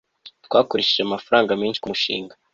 twakoresheje amafaranga menshi kumushinga